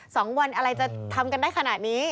สองวันอะไรจะทำกันได้ขนาดนี้